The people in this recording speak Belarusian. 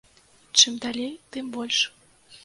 Чым далей, тым больш.